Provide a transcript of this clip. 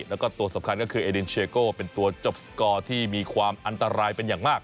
แล้วก็ตัวสำคัญก็คือเอดินเชโก้เป็นตัวจบสกอร์ที่มีความอันตรายเป็นอย่างมาก